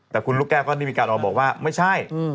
แต่คุณลูกแก้วก็ได้มีการออกมาบอกว่าไม่ใช่